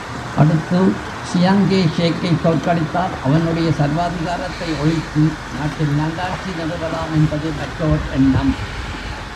அடுத்து Chiang Kai ஷேக்கைத் தோற்கடித்தால் அவனுடைய சர்வாதிகாரத்தை ஒழித்து நாட்டில் நல்லாட்சி நிறுவலாம் என்பது மற்றோர் எண்ணம்.